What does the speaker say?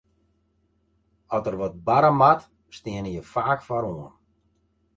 As der wat barre moat, steane je faak foaroan.